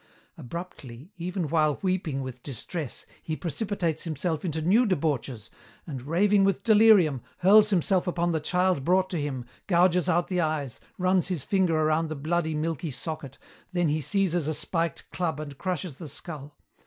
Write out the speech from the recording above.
Abruptly, even while weeping with distress, he precipitates himself into new debauches and, raving with delirium, hurls himself upon the child brought to him, gouges out the eyes, runs his finger around the bloody, milky socket, then he seizes a spiked club and crushes the skull.